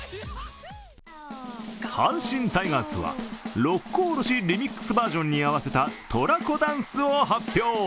阪神タイガースは六甲おろしリミックスバージョンに合わせたトラコダンスを発表。